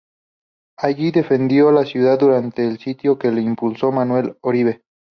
Allí defendió la ciudad durante el sitio que le impuso Manuel Oribe.